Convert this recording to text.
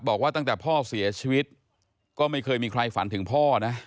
บอกว่าตั้งแต่พ่อเสียชีวิตก็ไม่เคยมีใครฝันถึงพ่อนะ